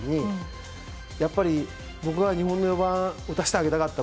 やっぱり僕が日本の４番を打たせてあげたかった。